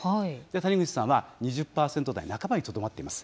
谷口さんは２０％台半ばにとどまっています。